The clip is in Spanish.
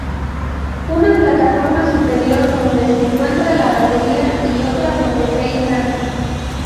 Una plataforma superior donde se encuentra la batería y otra donde Fey canta.